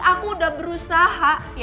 aku udah berusaha